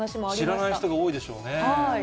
知らない人もいるでしょうね。